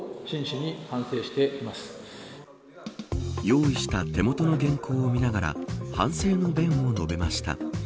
用意した手元の原稿を見ながら反省の弁を述べました。